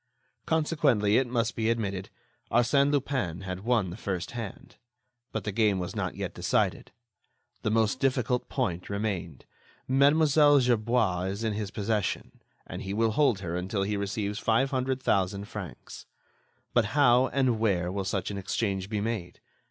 Consequently, it must be admitted, Arsène Lupin had won the first hand. But the game was not yet decided. The most difficult point remained. Mlle. Gerbois is in his possession, and he will hold her until he receives five hundred thousand francs. But how and where will such an exchange be made?